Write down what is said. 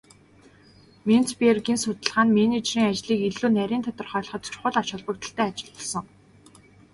Менцбергийн судалгаа нь менежерийн ажлыг илүү нарийн тодорхойлоход чухал ач холбогдолтой ажил болсон.